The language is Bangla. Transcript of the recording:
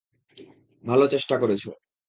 ভালো চেষ্টা করেছ।